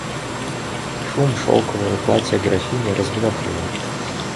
Шум шелкового платья графини развлек его.